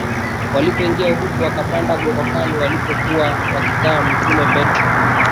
walipoingia huko wakapanda ghorofani walipokuwa wakikaa Mtume Petro